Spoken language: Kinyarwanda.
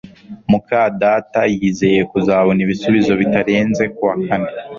muka data yizeye kuzabona ibisubizo bitarenze kuwa kane